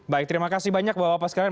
baik terima kasih banyak bapak bapak sekalian